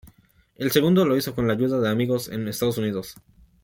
El segundo, lo hizo con la ayuda de amigos en Estados Unidos.